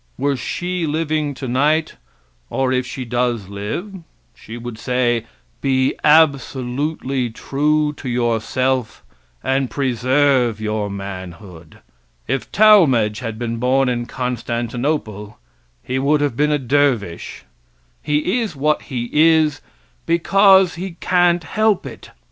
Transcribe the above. Were she living tonight, or if she does live, she would say, be absolutely true to yourself and preserve your manhood. If Talmage had been born in Constantinople he would have been a dervish. He is what he is because he can't help it.